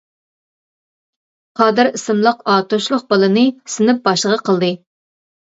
قادىر ئىسىملىك ئاتۇشلۇق بالىنى سىنىپ باشلىقى قىلدى.